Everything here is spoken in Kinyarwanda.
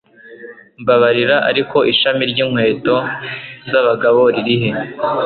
mbabarira, ariko ishami ryinkweto zabagabo ririhe